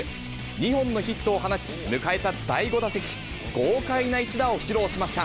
２本のヒットを放ち、迎えた第５打席、豪快な一打を披露しました。